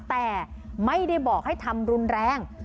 แต่ไม่ได้บอกให้ทำรุนแรง